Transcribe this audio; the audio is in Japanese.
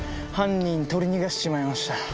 犯人取り逃がしちまいました。